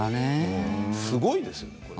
すごいですよね、これ。